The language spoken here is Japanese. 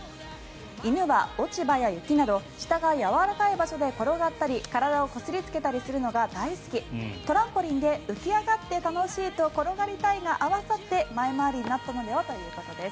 犬は落ち葉や雪など下がやわらかい場所で転がったり体をこすりつけたりするのが大好きトランポリンで浮き上がって楽しいと転がりたいが合わさって前回りになったのではということです。